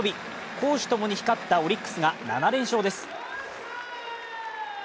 攻守共に光ったオリックスが７連勝です。